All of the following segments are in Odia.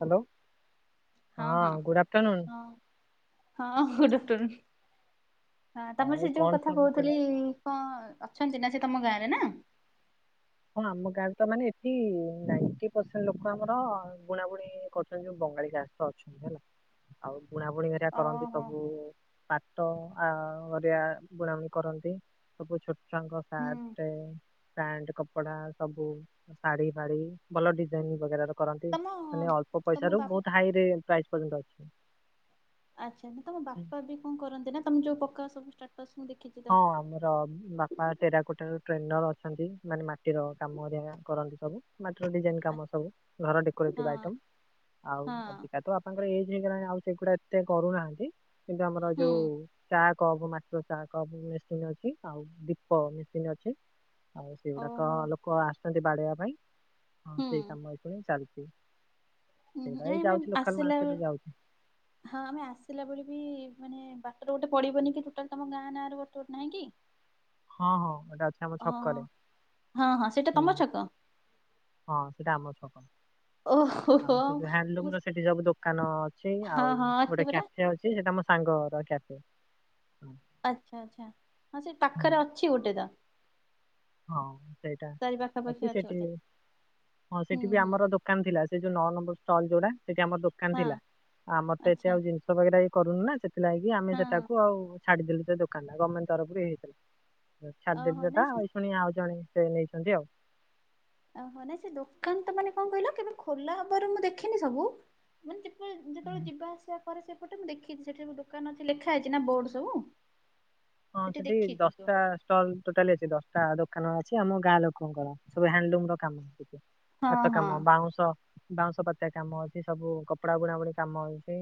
ହ୍ୟାଲୋ ହଁ ଗୁଡ଼ ଆଫ୍ଟରନୁନ୍। ହଁ ହଁ ଗୁଡ ଆଫ୍ଟରନୁନ୍‌ ହଁ ତମର ଆଉ ସେ ଯୋଉ କଣ କଥା ସବୁ ଚାଲିଛି? କହୁଥିଲି। ହଁ ଅଛନ୍ତି ନା ସେ ତମ ଗାଁ ରେ ନା। ହଁ ଆମ ଗାଁରେ ତ ମାନେ ଏଠି ନାଇଣ୍ଟି ପରସେଣ୍ଟ ଲୋକ ଆମର ବୁଣାବୁଣି କରୁଛନ୍ତି। ଯୋଉ ବଙ୍ଗାଳୀ ଚାଷ ଅଛନ୍ତି ହେଲା ଆଉ ବୁଣାବୁଣି ହେରା କରନ୍ତି ଓହୋ ସବୁ। ପାଟ ଆଆ ବୁଣାବୁଣି କରନ୍ତି ସବୁ ଛୋଟ ଛୁଆଙ୍କ। ସାର୍ଟ ପ୍ୟାଣ୍ଟ କପଡ଼ା। କପଡା ସବୁ ଶାଢୀ ଫାଢି ଭଲ ଡିଜାଇନ ବଗେରା। କରନ୍ତି ତମ ମାନେ ଅଳ୍ପ ତମ ପଇସାରୁ ବା ବହୁତ ହାଇ ରେ ପ୍ରାଜ୍‌ ପର୍ଯ୍ୟନ୍ତ ଅଛି। ଆଚ୍ଛା ତମ ବାପା ବି କଣ କରନ୍ତି ନା ତମେ ଯୋଉ ପକା ସବୁ। ଷ୍ଟାଟଷ ଦେଖିଛି। ହଁ ତ। ଆମର। ବାର ତେରା କୋଟ ଶ୍ରେଣ୍ଡର ଅଛନ୍ତି ମାନେ ମାଟିର କାମ କରନ୍ତି ସବୁ। ମାଟିର ଡିଜାଇନ କାମ ସବୁ ଘର ହଁ ଡେକୋରିଟି ଆଉ। ହଁ ତାଙ୍କର ଏଜ ହେଇଗଲାଣି ଆଉ ସେଗୁଡା ଏତେ କରୁନାହାନ୍ତି କିନ୍ତୁ ଆମର ହୁଁ ଯୋଉ। ଚାହା କପ ମାଛ ଚା କପ୍ ମେସିନ ଅଛି ଆଉ ଦୀପ ମେସିନ୍ ଅଛି। ଆଉ ସେଗୁଡାକ ଓହୋ ଲୋକ ଆସଛନ୍ତି ବାଡେଇବା ପାଇଁ। ହଁ ହୁଁ। ସେଇ ସମୟକୁ ହଁ ଚାଲିଛି। ହୁଁ ସେଇଟା ଏ ଏଇ ଯାଉଛି ମାମ ଲୋକାଲ ଆସିଲା। ମାର୍କେଟରେ ଯାଉଛି ହଁ ଆମେ ଆସିଲା ଭଳି ବି ମାନେ ବାଟରେ ଗୋଟେ ପଡିବନି କି ଟୋଟାଲ ତମ ଗାଁ ନାଁ ର ଗୋଟେ ବାଟ ନାହିଁ କି। ହଁ ହଁ ଏଟା ଅଛି ଆମର ହଁ ଛକରେ ହଁ ହଁ ସେଇଟା ହୁଁ। ତମ ଛକ ହଁ ସେଟା ଆମର ଛକ। ଆଉ ଓହୋ ସେ ମୁଁ ର ସେଠି ସବୁ ଦୋକାନ ଅଛି ହଁ ଆଉ ହଁ ଅଛି ଗୋଟେ। ପରା ସେ ଅଛି ସେଟା ମୋ ସାଙ୍ଗ ରଖ୍ୟାତି। ଆଚ୍ଛା ଆଛା ହଁ ସେ ହୁଁ, ପାଖରେ ଅଛି ଗୋଟେ ତ। ହଁ ସେଇଟା ତାରି ପାଖାପାଖି ଅଛି ସେଠି ଗୋଟେ ହଁ ହୁଁ ସେଠି ବି ହୁଁ ଆମର। ଦୋକାନ ଥିଲା ସେ ଯୋଉ ନଅ ନମ୍ବର ଷ୍ଟଲ ଯୋଉଟା ସେଠି ଆମର ଦୋକାନ ହଁ। ଥିଲା ଆମର ତ ଏତେ ଆଚ୍ଛା ଆଉ ଜିନିଷ। [unintelligible] କରୁନୁନା ସେଥିଲାଗି ଆମେ ହଁ ସେଟାକୁ ଆଉ ଛାଡିଦେଲୁ ସେ ଦୋକାନଟା ଗମେଟ ତରଫରୁ ଛାଡିଦେଲୁ ଓହୋ ନାଇଁ ସେଇଟା ସେ ଏଇ ଶୁଣି ଆଉ ଜଣ ସେ ନେଇଛନ୍ତି ଆଉ ଓହୋ ନାଇଁ ସେ ଦୋକାନ ତା ମାନେ କଣ କହିଲ କେବେ ଖୋଲା ହବାରୁ ମୁଁ ଦେଖିନି ସବୁ ମାନେ ଯେତବେଳେ ଆଉ ଯେତେବେଳେ ଯିବା ଆସିବା ପରେ ସେପଟେ ମୁଁ ଦେଖିଛି ସେଠି ସ ଦୋକାନ ଅଛି ଲେଖା ହେଇଛି ନା ବୋର୍ଡ ସବୁ ହଁ ସେଠି ଦଶଟା ଦଶ ଅଛି ଦଶଟା ଦୋକାନ ଅଛି ଆମ ଗାଁ ଲୋକଙ୍କର ସବୁୁ ହ୍ୟାଣ୍ଡଲୁମ୍ ର କାମ ହଁ ହାତ ହଁ କାମ ବାଉଁଶ ବାଉଁଶ ପାତିଆ କାମ ଅଛି ସବୁ କପଡା ବୁଣା ବୁଣା କାମ ହଉଛି।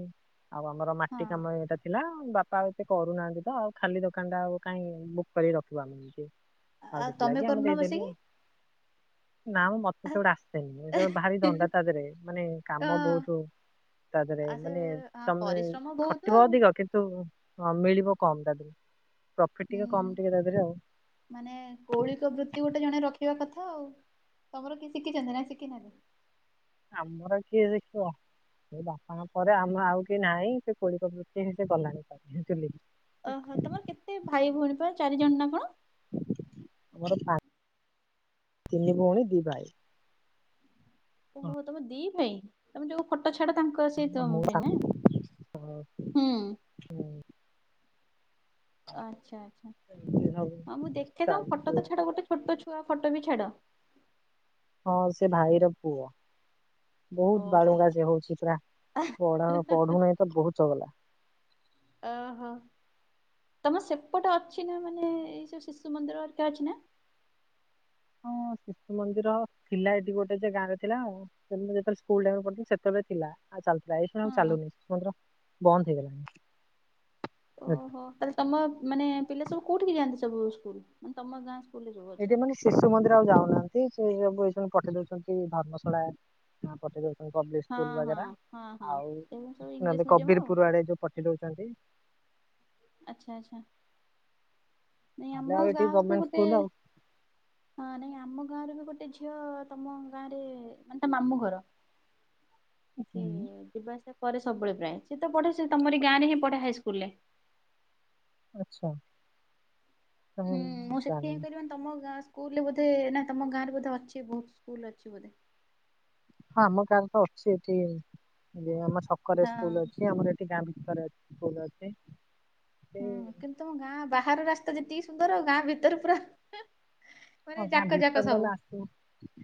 ଆଉ ଆମର ହଁ ମାଟି କାମ ଏଟା ଥିଲା ବାପା ଆଉ ଏତେ କରୁନାହାନ୍ତି ତ ଆଉ ଖାଲି ଦୋକାନ ଟା ଆଉ କାହିଁ ବୁକ୍ କରିକି ରଖିବା ଆମେ ଏମତି ଆଉ ତମେ ସେଥିଲାଗି ଆମେ କରୁନ ଦେଇଦେଲୁ। ବସିକି? ନାଁ ମ ସେତେଗୁଡା ଆସିନି ସେ ଗୋଟେ ଭାରି ଧଣ୍ଡା ତା ଦେହରେ ମାନେ କାମ ହଁ ବହୁତ ତା ଦେହରେ ଆ ସେ ମାନେ ହଁ ତମେ ପରିଶ୍ରମ ବହୁତ ଖଟିବ ଆଉ ଅଧିକ କି ତୁ ହଁ ମିଳିବ କମ ତା ଦେହରୁ ପ୍ରଫିଟ ଟିକେ ହୁଁ। କମ ଟିକେ ତା ଦେହରେ ଆଉ ମାନେ କୌଳିକ ବୃତ୍ତି ଗୋଟେ ଜଣେ ରଖିବା କଥା ଆଉ। ତମର କିଏ ଶିକିଛନ୍ତି ନା ଶିକିନାହାନ୍ତି। ଆମର କିଏ ଦେଖିବ। ସେ ବାପାଙ୍କ ପରେ ଆମର ଆଉ କି ନାହିଁ ସେ କୋଳିିକ ବୃତ୍ତି ହ ସେ ଗଲାଣି ବୁଝିଲୁ ଓହୋ ତମର କେତେ ଭାଇ ଭଉଣୀ ପ ଚାରିଜଣ ନା କଣ? ଆମର ପା [inaudible] ତିନି ଭଉଣୀ ଦି ଭାଇ। ଓହୋ ତମେ ଦି ଭାଇ ତମେ ଯୋଉ ଫଟୋ ଛାଡ ତାଙ୍କ ସେ ତମ ଭାଇ ନା? [inaudible] ଆଚ୍ଛା ଆଚ୍ଛା ଏମିତି ସବୁ ହଁ ମୁଁ ଦେଖେ ତମ ଫଟୋ ଚାଲିଛି ତ ଆଉ। ଛାଡ ଗୋଟେ ଛୋଟ ଛୁଆ ଫଟୋ ବି ଛାଡ। ହଁ ସିଏ ଭାଇର ପୁଅ। ବହୁତ ଓହୋ। ବଳୁଙ୍ଗା ସିଏ ହଉଚି ପୁରା ପଢା ପଢୁନାହିଁ ତ ବହୁତ ଚଗଲା। ଅ ହ ତମର ସେପଟେ ଅଛି ନା ମାନେ ଏଇ ସବୁ ଶିଶୁ ମନ୍ଦିର ଅରିକା ଅଛି ନା? ହଁ ଶିଶୁ ମନ୍ଦିର ଥିଲା ଏଠି ଗୋଟେ ଯେ ଗାଁରେ ଥିଲା ଆଉ ତେମେ ଯେତେବେଳେ ସ୍କୁଲ ଟାଇମ ପଢ଼ୁଥିଲି ସେତେବେଳେ ଥିଲା। ଆଉ ଚାଲୁଥିଲା ଏଇଖିଣା ହଁ। ଚାଲୁନି ଶିଶୁ ମନ୍ଦିର ବନ୍ଦ ହେଇଗଲାଣି। ଅହ ତାହେଲେ ତମ ମାନେ ପିଲା ସବୁ କୋଉଠିକି ଯାଆନ୍ତି ସବୁ ସ୍କୁଲ ମାନେ ତମ ଗାଁ ସ୍କୁ ଏଇଥି ମାନେ- ଶିଶୁ ମନ୍ଦିର ଆଉ ଯାଉନାହାନ୍ତି ସେ ସବୁ ଏବୁ ପଠେଇ ଦଉଛନ୍ତି ଧର୍ମଶାଳା ପଠେଇ ଦଉ [inaudible] ହଁ ହଁ ସ୍କୁଲ ହଁ ହଁ ଆଉ ଏଗୁଡ଼ା ସବୁ ଇଂଲିଶ ନହେଲେ ମିଡିୟମ ଆଉ କବିରପୁର ଆଡେ ଯୋଉ ପଠେଇ ଦଉଛନ୍ତି। ଆଚ୍ଛା ଆଚ୍ଛା ନାଇଁ ନହେଲେ ଆମ ଆଉ ଏଠି ଗାଁରୁ ତ ଗଭର୍ଣମେଣ୍ଟ ଗୋଟେ। ସ୍କୁଲ ଆଉ ହଁ ନାଇଁ ଆମ ଗାଁରେ ବି ଗୋଟେ ଝିଅ ତମ ଗାଁରେ ମାନେ ତ ମାମୁଁ ଘର [inaudible] ସିଏ ଯିବାଆସିବା କରେ ସବୁବେଳେ ପ୍ରାୟ ସେ ତ ପଢେ ସେ ତମରି ଗାଁ ରେ ହିଁ ପଢେ ହାଇସ୍କୁଲ ରେ। ଆଚ୍ଛା ହୁଁ ମୁଁ ସେଥି ଜାଣିନି ହୋଇପାରିବନି। ତମ ଗାଁ ସ୍କୁଲ ରେ ବୋଧେ ନା ତମ ଗାଁରେ ବୋଧେ ଅଛି ବହୁତ ସ୍କୁଲ ଅଛି ବୋଧେ ହଁ ଆମ ଗାଁରେ ତ ଅଛି ଏଠି ଇ ଆମ ଛକରେ ସ୍କୁଲ ହଁ ଅଛି ଆମର ଏ ଗାଁ ଛକରେ ଅଛି କହୁ ନାହାନ୍ତି। ହୁଁ କିନ୍ତୁ ତମ ଗାଁ ବାହାର ରାସ୍ତା ଯେତିକି ସୁନ୍ଦର ଗାଁ ଭିତରେ ପୁରା ମାନେ ହଁ ଗାଁ ଯାକ ଯାକ ଭିତର ସବୁ ଗଲେ ଆସୁ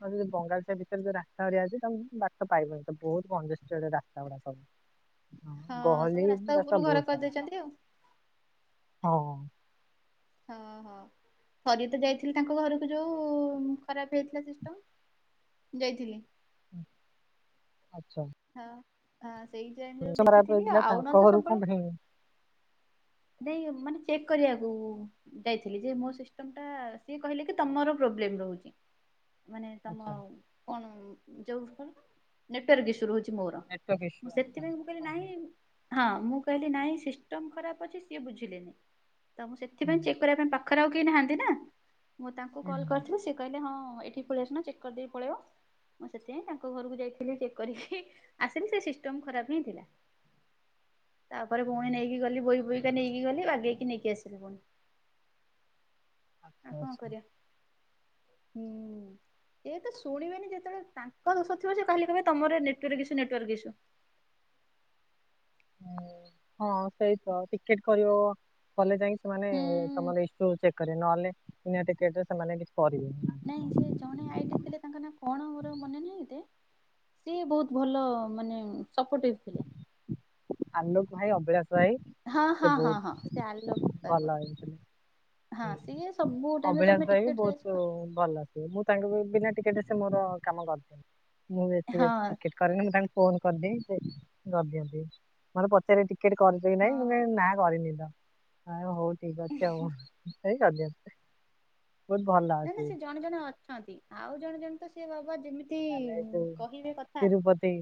ଆମର ବଙ୍ଗାଳି ସାହି ଭିତରେ ଯୋଉ ରାସ୍ତାହେରିକା ଅଛି ତା ବାଟ ପାଇବନି ତ ବହୁତ କଞ୍ଜଷ୍ଟେଦେ ରାସ୍ତା ଗୁଡାକ। ହଁ ସବୁ ଗହଲି ରାସ୍ତା ରାସ ଉପରୁ ଘର ବହୁତ ସାରା କରିଦେଇଛନ୍ତି ଆଉ ହଁ ହଁ ହଁ ହଁ ଥରିଏତ ଯାଇଥିଲି ତାଙ୍କ ଘରକୁ ଯୋଉ ଖରାପ ହେଇଥିଲା ସିଷ୍ଟମ। ଯାଇଥିଲି। ଆଚ୍ଛା ହଁ ହଁ ସେଇ ଟାଇମ ଖରାପ ଦେଖିଥିଲି ହେଇଥିଲା ଆଉ ତାଙ୍କ ନହ ତ ଘରୁ କଣ ସବୁବେଳେ ପାଇଁ ନାହିଁ ମାନେ ଚେକ୍ କରିବାକୁ। ଯାଇଥିଲି ଯେ ମୋ ସିଷ୍ଟମ ଟା ସିଏ କହିଲେ କି ତମର ପ୍ରୋବ୍ଲେମ ରହୁଚି। ମାନେ ତମ ଆଚ୍ଛା କଣ ଯୋଉ କଣ ନେଟୱର୍କ ଇସୁ ରହୁଚି। ମୋର ନେଟୱାର୍କ ଇସୁ ମୁଁ ଆଚ୍ଛା ସେଥିପାଇଁ ମୁଁ କହିଲି ଓହୋ। ନାହିଁ। ହଁ ମୁଁ କହିଲି ନାଇଁ ସିଷ୍ଟମ ଖରାପ ଅଛି ସିଏ ବୁଝିଲେନି ତ ମୁଁ ହୁଁ ସେଥିପାଇଁ ଚେକ୍ କରିବା ପାଇଁ ପା ଖରେ କେହି ନାହାନ୍ତି ନା ମୁଁ ତାଙ୍କୁ କଲ୍ ହୁଁ କରିଥିଲି ସେ କହିଲେ ହଁ ଏଠି ପଳେଇ ଆସୁନା ଚେକ୍ କରିଦେଇି ପଳେଇବ। ମୁଁ ସେଥିପାଇଁ ତାଙ୍କ ଘରକୁ ଯାଇଥିଲି ଚେକ୍ କରିକି ଆସିଲି ସେ ସିଷ୍ଟମ ଖରାପ ହିଁ ଥିଲା। [unintelligible] ତାପରେ ପୁଣି ନେଇକି ଗଲି ବୋଇ ବୋଇକାା ନେଇକି ଗଲି ବାଗେଇକି ନେଇକି ଆସିଲି ପୁଣି। ଆଉ କଣ ଆଚ୍ଛା। କରିବା ହୁଁ ଏ ତ ଶୁଣିବନି ଯେତେବେଳେ ତାଙ୍କ ଦୋଷ ଥିବ ସେ କାେ କହିବେ ତମର ନେଟକ କିସୁ ନେଟୱର୍କ ଇସୁ ହଁ ସେଇ ତ ଟିକେଟ କରିବ ଭଲେ ଯାଇକି ସେମାନେ ହୁଁ। ତର ଚକ୍ କରିବ ନହେଲେେଟ ରେ ସେମାନେ କି କରିବେନି। ନାଇଁ ସେ ଜଣେ ଆଇଟି ଥିଲେ ତାଙ୍କ ନାଁ କଣ ମୋର ମନେ ନାହିଁତ। ସିଏ ବହୁତ ଭଲ ମାନେ ସପୋର୍ଟିଭ ଥିଲେ। ଆଲୋକ ଭାଇ ଅଭିଳାଷ ଭାଇ ହଁ ହଁ ସେ ହଁ ହଁ ସେ ଆଲୋକ ବହୁତ ସାର୍ ବୋଧେ। ଭଲ ହେଇଥିଲେ। ହଁ ସିଏ ହୁଁ ସବୁ ଟାଇମରେ ଅଭିନାସ ତମେ ପାଇଁ ବି ଟିକେ ଡ୍ରେସ୍ ବହୁତ ଭଲ। ମୁଁ ତାଙ୍କୁ ବି ବିନା ଟିକେଟ ସେ ମୋର କାମ କରିଦିଏ ମୁଁ ହଁ [unintelligible] କରେନି ତାଙ୍କୁ ଫୋନ କରିଦିଏ ସେ କରିଦିଅନ୍ତି। ମୋତେ ପଚାରି ଟିକେଟ୍ କରିଛୁ କି ନାଇଁ ମୁଁ ହଁ ନାଁ କରିନି ତ ଆ ହଉ ଠିକ ଅଛି ଆଉ। ସେଇ ବହୁତ ଭଲ ନା ନା ଅଛି। ସେ ଜଣେ ଜଣେ ଅଛନ୍ତି ଆଉ ଜଣେ ଜଣେ ତ ସେ ବାବା ଯେମିତି ତାହେଲେ ଏ କହିବେ କଥା ତିରୁପତି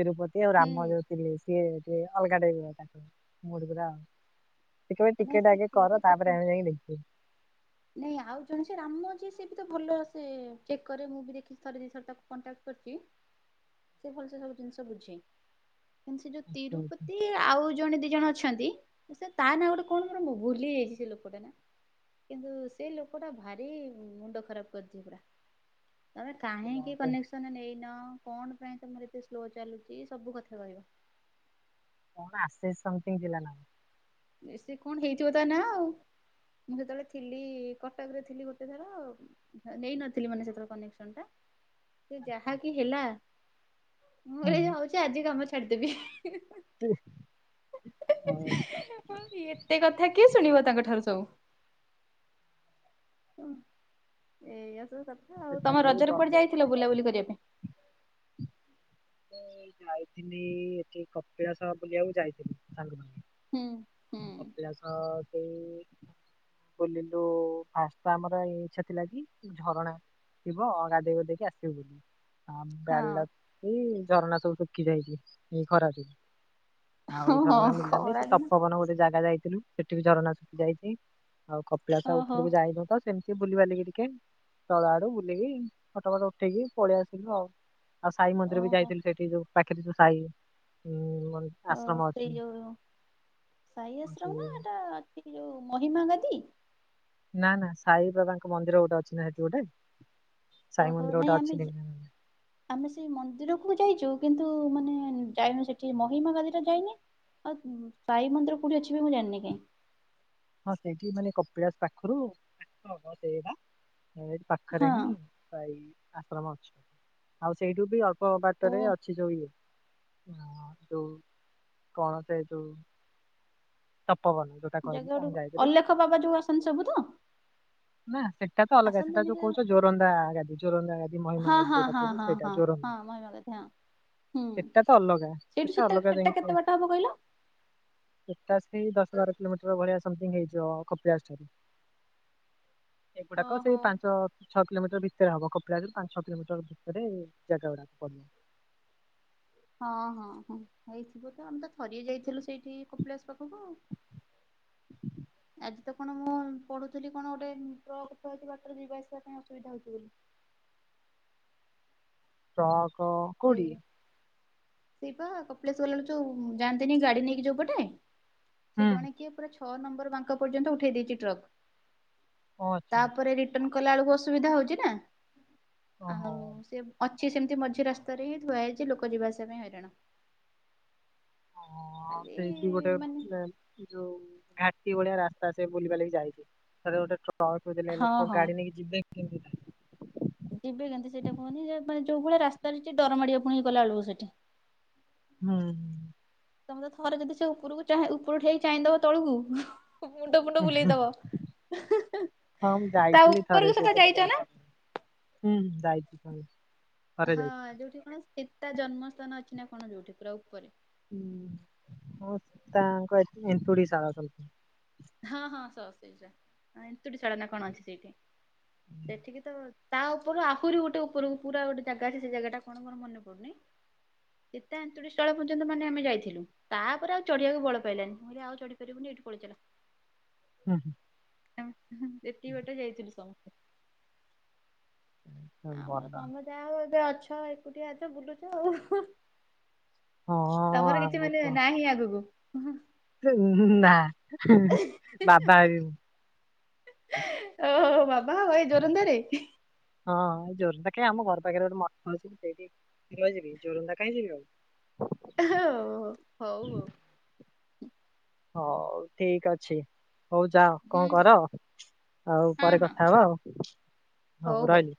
ତିରୁପତି ଆଉ ହୁଁ ରାମ ଜୋ ସିଏ ଗୋଟେ ଅଲଗାଟେ ତାକୁ ମୁରଗା ସେ କେବେ ଏ ନାଇଁ ଟିକେଟ ଟ ସେ ଆଗେ କର ତାପରେ ତିରୁପତି ଆମେ ଯାଇକି ଦେଖିବୁ ନାଇଁ ଆଉ ଜଣେ ସେ ରାମ ଅଛି ସେ ବି ତ ଭଲ ସେ ଚେକ୍ କରେ ମୁଁ ବି ଦେଖି ଥରେ ଦିଇ ଥରେ ତାକୁ କଣ୍ଟାକ୍ଟ କରିଛି। ହ ସେ ଭଲ ସେ ସବୁ ଜିନିଷ ବୁଝେ। ସେ ଯୋଉ ହୁଁ, ହୁଁ, ତିରୁପତି ଆଉ ଜଣେ ଦି ଜଣ ଅଛନ୍ତି ସେ ତା ନାଁ ଗୋଟେ କଣ ମୁଁ ଭୁଲିଯାଇଛି ସେ ଲୋକଟା ନା କିନ୍ତୁ ସେଇ ଲୋକ ଟା ଭାରି ମୁଣ୍ଡ ଖରାପ କରିଛି ପୁରା। ତମେ ଥିଲା କାହିଁକି ଗୋଟେ କନେକ୍ସନ ନେଇନ କଣ ପାଇଁ ତମର ଏତେ ସ୍ଲୋ ଚାଲୁଛି ସବୁ କଥା କହିବ। କଣ ଆସେ ସମଥିଙ୍ଗ ଥିଲା ନାଁ। ବେଶୀ କଣ ହେଇଥିବ ତା ନା ଆଉ। ମୁଁ ଯେତେବେଳେ ଥିଲି କଟକ ରେ ଥିଲି ଗୋଟେ ଥର ଆଉ ନେଇନଥିଲି ମାନେ ସେତବେଳେ କନେକ୍ସନଟା ସେ ଯାହାକି ହେଲା ମୁଁ କ ହୁଁ ଯାଉଛି ଆଜି କାମ ଛାଡିଦେବି। ହଁ। ଏତେ କଥା କିଏ ଶୁଣିବ ତାଙ୍କ ଠାରୁ ସବୁ ଏୟା ତ ସବୁ କଥା ଆଉ। ତମ ସେତେବେଳେ ରଜରେ କୁଆଡେ ବ୍ରଡବ୍ୟାଣ୍ଡ ଯାଇଥିଲ ପାଇଁ ବୁଲାବୁଲି କରିବା ପାଇଁ? ଯାଇଥିଲି ଏଠି କପିଳାସ ବୁଲିବାକୁ ଯାଇଥିଲି ସାଙ୍ଗ ହୁଁ ହୁଁ ସହ। ଅଭିଳାସ କେହି ବୁଲିଲୁ ଫାଷ୍ଟ ତ ଆମର ଇଚ୍ଛା ଥିଲା କି ଝରଣା ଥିବ ଗାଧୋଇ ଗୋଧକି ଆସିବୁ ବୋଲି। ହଁ [unintelligible] ଏଇ ଝରଣା ସବୁ ଶୁଖି ଯାଇଛି ଏଇ ଖରାକୁ। ଆଉ ଓ ହଁ ଝରଣା ମିଳିଲାନି ଖରା ସେ ଦିନ ତପୋବନ ଗୋଟେ ଜାଗା ଯାଇଥିଲୁ ସେଠି ବି ଝରଣା ଶୁଖି ଯାଇଛି। ଆଉ କପିଳାସ ଓହୋ ଉପରକୁ ଯାଇନୁ ତ ସେମିତି ବୁଲିିବାଲିକି ଟିକେ ତଳ ଆଡୁ ବୁଲିକି ଫଟ ଫଟ ଉଠେଇକି ପଳେଇ ଆସିଲୁ ଆଉ। ଆଉ ସାଇ ମନ୍ଦିର ବି ଓହୋ ଯାଇଥିଲି ସେଇଠି ଯୋଉ ପାଖିରେ ଯୋଉ ସାଇଁ ମ ହଁ ସେଇ ଯୋଉ ସାଇ ଆଶ୍ରମ ନା ସେ- ଏଟା ଅଛି ଯୋଉ ମହିମା ଗାଦି। ନା ନା ସାଇ ବାବାଙ୍କ ମନ୍ଦିର ଗୋଟେ ଅଛି ନା ସେଠି ଗୋଟେ। ସାଇ ଓହୋ ମନ୍ଦିର ଗୋଟେ ନାଇଁ ଅଛି ଆମେ ଜା ଢେଙ୍କାନାଳରେ। ଆମେ ସେଇ ମନ୍ଦିରକୁ ଯାଇଛୁ କିନ୍ତୁ ମାନେ ଯାଇନୁ ସେଠି ମହିମା ଗାଦି ଟା ଯାଇନେ। ଆଉ ସାଇ ମନ୍ଦିର କଉଠି ଅଛି ବି ମୁଁ ଜାଣିନି କାଇଁ। ହଁ ସେଇଠି ମାନେ କପିଳାସ ପାଖରୁ ପାଖ ହବ ସେଇଟା ପାଖରେ ହଁ ହିଁ ସାଇ ଆଶ୍ରମ ଅଛି ଆଉ ସେଇଠୁ ବି ଅଳ୍ପ ଓ ବାଟରେ ଅଛି ଯୋଉ ଇଏ ହଁ ଯୋଉ କଣ ସେ ଯୋଉ ତପୋବନ ଯୋଉଟା କହିଲି। ଠୁ ଆମେ ଯାଇଥିଲୁ ଅଲେଖ ବାବା ଯୋଉ ଆସନ୍ତି ସବୁ ତ। ନା ସେଟା ତ ଅଲଗା ସେଟା ଆସନ୍ତିନି ଯୋଉ ଯେ କହୁଛ ଜୋରନ୍ଦା ଗାଦି ଜୋରନ୍ଦା ଗାଦି ମହିମା ହଁ ଗାଦି ହଁ ଯୋଉଟା ହଁ କହୁଛ ହଁ ସେଇଟା ହଁ ଜୋର ହଁ ମହିମା ଗାଦି ହଁ। ହୁଁ ତ ଅଲଗା ସେଇଠୁ ସେଟା ଅଲଗା ସେଟା କେତେ ବାଟ ହବ କହିଲ? ସେଇଟା ସେଇ ଦଶ ବାର କିଲୋମିଟର ଭଳିଆ ସମଥିଙ୍ଗ ହେଇଯିବ କପିଳାସ ଠାରୁ। ଏଗୁଡାକ ଓହୋ। ସେଇ ପାଞ୍ଚ ଛଅ କିଲୋମିଟର ଭିତରେ ହବ, କପିଳାସ ପାଞ୍ଚଛଅ କିଲୋମିଟର ଭିତରେ ଜାଗା ଗୁଡାକୁ ପଡିବ। ହଁ- ହଁ- ହଁ ହେଇଥିବତ ଆମେ ତ ଥରିଏ ଯାଇଥିଲୁ ସେଇଠି କପିଳାଶ ପାଖକୁ। ଆଜି ତ କଣ ମୁଁ ପଢୁଥିଲି କଣ ଗୋଟେ ଟ୍ରକ ଥୁଆ ହେଉଛି, ବାଟରେ ଯିବା ଆସିବା ପାଇଁ ଅସୁବିଧା ହଉଛି ବୋଲି। ଟ୍ରକ ସେଇ କୋଉଠି? ସେଇ ପା କପିଳାସ ଗଲା ବେଳକୁ ଯୋଉ ଯାଆନ୍ତିନି ଗାଡି ନେଇକି ଯୋଉ ପଟେ, ସେ ହୁଁ। ଜଣେ କିଏ ପୁରା ଛଅ ନମ୍ବର ବାଙ୍କ ପର୍ଯ୍ୟନ୍ତ ଉଠେଇ ଦେଇଛି ଟ୍ରକ୍, ଓ ଆଚ୍ଛା ତାପରେ ରି ଟନ୍ କଲା ବେଳକୁ ଅସୁବିଧା ହଉଛି ନା, ଆଉ ଓହୋ ସେ ଅଛି ସେମିତି ମଝି ରା ସ୍ତାରେ ହିଁ ଥୁଆହେଇଛି, ଲୋକ ଯିବାଆସିବା ପାଇଁ ହଇରାଣ। ହଁ ଖାଲି ସେଇଠି ଗୋଟେ ମାନେ [unintelligible] ଯୋଉ ଘାଟି ଭଳିଆ ରାସ୍ତା ସେ ବୁଲିବାଲିକି ଯାଇଛି, ଥରେ ଗୋଟେ ଟ୍ର ଟ୍ରକ ଥୋଇଦେଲେ ହଁ ଲୋକ ହଁ ଗାଡି ନେଇକି ଯିବେ କେମିତି? ଯିବେ କେମିତି? ସେଇଟା କୁହନି ଯେ ମାନେ ଯୋଉ ଭଳି ରାସ୍ତାରେ ହେଇଚି, ଡର ମାଡ଼ିବ ପୁଣି ଗଲା ବେଳକୁ ସେଠି। ହୁଁ। ହୁଁ। ତମେ ତ ଥରେ ଯଦି ସେ ଉପରକୁ ଚାଁହିଁ ଉପରୁ ଠିଆ ହେଇକି ଚାହିଁଦବ ତଳୁକୁ ମୁଣ୍ଡ ଫୁଣ୍ଡ ବୁଲେଇଦବ, ହଁ ମୁଁ ତା ଯାଇଥିଲି ଥରେ ଉପରକୁ ସେଟା ସେଇପଟେ ଯାଇଛ ନା? ଯାଇଥିଲି। ହୁଁ। ହୁଁ ଯାଇଛୁ ଥରେ। ଥରେ ହଁ ଯାଇଛି। ଯୋଉଠି କଣ ସିତା ଜନ୍ମସ୍ଥାନ ଅଛି ନା କଣ ଯୋଉଠି ପୁରା ଉପରେ। ହୁଁଁ- ହଁ ସୀତାଙ୍କ ଏନ୍ତୁଡି ସାଳ [unintelligible] ହଁ- ହଁ ସ ସେଇଟା, ଏନ୍ତୁ୍ଡିଶାଳ ନାଁ କଣ ଅଛି ସେଇଠି? ସେଠି କିନ୍ତୁ ତା ଉପରୁ ଆହୁରି ଗୋଟେ ଉପରକୁ ପୁରା ଗୋଟେ ଜାଗା ଅଛି, ସେ ଜାଗା ଟା କଣ? ମୋର ମାନେ ପଡୁନି, ସୀତା ଏନ୍ତୁଡ଼ିଶାଳ ପର୍ଯ୍ୟନ୍ତ ମାନେ ଆମେ ଯାଇଥିଲୁ। ତାପରେ ଆଉ ଚଢିିବାକୁ ବଳ ପାଇଲାନି, ମୁଁ କହିଲି ଆଉ ଚଢି ପାରିବୁନି ଏଇଠୁ ପଳେଇ ଚାଲ। ହୁଁ। ଏତିିକି ବାଟ ଯାଇଥିଲୁ ସମସ୍ତେ। ହୁଁ। ଆମର ଭଲ ତମେ ଯାହାହଉ ଏବେ ଅଛ, ଏକୁଟିଆ ଅଛ ବୁଲୁଛ ଆଉ। ହଁ ତମର କିଛି ମାନେ ନାହିଁ ଆଗକୁ। ହେ ନାଁ ବାବା ହେବି ମୁଁ। ଓ ହୋ ବାବା ହବ ଏଇ ଯୋରନ୍ଦାରେ। ହଁ ଯୋରନ୍ଦା କାଇଁ, ଆମ ଘର ପାଖରେ ଗୋଟେ ମଠ ଅଛି ସେଇଠି। [unintelligible] ଯିବି ଯୋରନ୍ଦା କାଇଁ ଯିବି ଆଉ। ଉଁ ହୋ ହଉ ହଉ। ହଉ ଠିକ୍ ଅଛି। ହଉ ଯାଅ ହୁଁ କଣ ହୁଁ କର, ଆଉ ହଁ ପରେ ହଁ କଥା ହବା ହଉ ଆଉ ହଉ। ରହିଲି।